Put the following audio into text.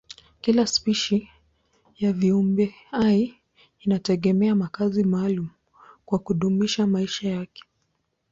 Kila spishi ya viumbehai inategemea makazi maalumu kwa kudumisha maisha yake.